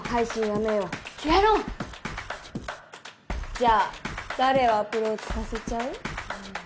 じゃあ誰をアプローチさせちゃう？